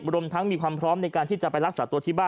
รวมทั้งมีความพร้อมในการที่จะไปรักษาตัวที่บ้าน